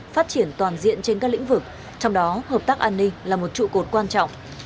phát triển toàn diện trên các lĩnh vực trong đó hợp tác an ninh là một trụ cột quan trọng